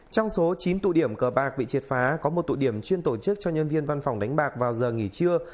trong số chín tụ điểm cờ bạc bị triệt phá có một tụ điểm chuyên tổ chức cho nhân viên văn phòng đánh bạc vào giờ nghỉ trưa